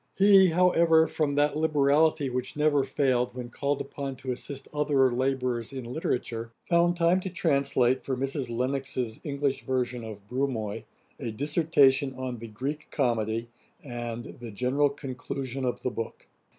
He, however, from that liberality which never failed, when called upon to assist other labourers in literature, found time to translate for Mrs. Lennox's English version of Brumoy, 'A Dissertation on the Greek Comedy,'[dagger] and 'The General Conclusion of the book.'